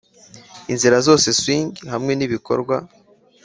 inzira zose swingin 'hamwe nibikorwa